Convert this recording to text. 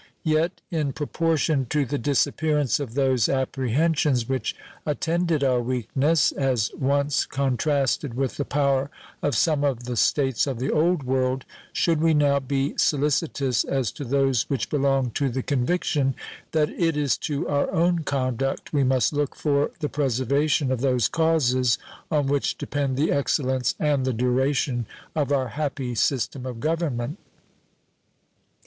Yet, in proportion to the disappearance of those apprehensions which attended our weakness, as once contrasted with the power of some of the States of the Old World, should we now be solicitous as to those which belong to the conviction that it is to our own conduct we must look for the preservation of those causes on which depend the excellence and the duration of our happy system of government.